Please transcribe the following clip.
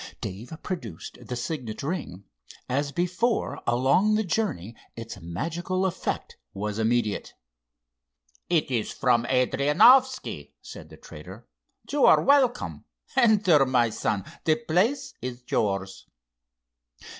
Dave produced the signet ring. As before along the journey its magical effect was immediate. "It is from Adrianoffski," said the trader. "You are welcome. Enter, my son. The place is yours."